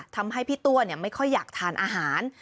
ทำให้พี่ตัวไม่ค่อยอยากทานอาหาร